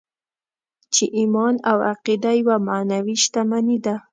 چې ايمان او عقیده يوه معنوي شتمني ده.